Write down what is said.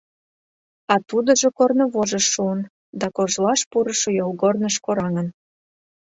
А тудыжо корнывожыш шуын да кожлаш пурышо йолгорныш кораҥын.